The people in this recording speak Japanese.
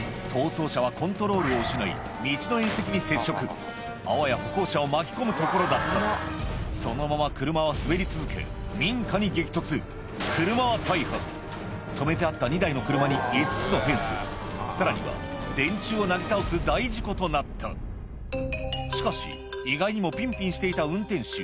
逃走車はあわや歩行者を巻き込むところだったそのまま車は滑り続け民家に激突車は大破止めてあった２台の車に５つのフェンスさらには電柱をなぎ倒す大事故となったしかし意外にもピンピンしていた運転手